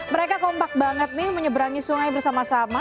mereka kompak banget nih menyeberangi sungai bersama sama